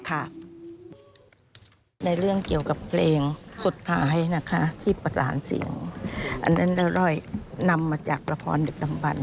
ในเรื่องเกี่ยวกับเพลงสุดท้ายที่ประสานเสียงอันนั้นด้อยนำมาจากประพรดึกดำบัน